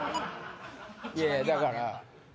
いやいやだから。